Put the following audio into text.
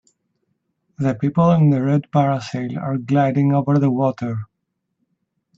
The people in the red parasail are gliding over the water.